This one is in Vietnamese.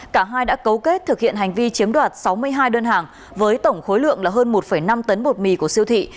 cả hai đã cấu kết thực hiện hành vi chiếm đoạt sáu mươi hai đơn hàng với tổng khối lượng là hơn một năm tấn bột mì của siêu thị